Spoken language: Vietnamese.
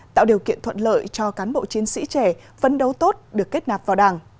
tạo điều kiện thuận lợi cho cán bộ chiến sĩ trẻ phấn đấu tốt được kết nạp vào đảng